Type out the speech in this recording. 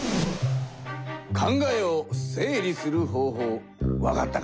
考えを整理する方ほうわかったかな？